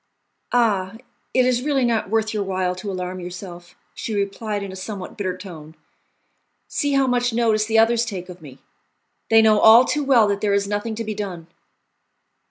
"Ah! it is really not worth your while to alarm yourself," she replied in a somewhat bitter tone; "see how much notice the others take of me! They know too well that there is nothing to be done."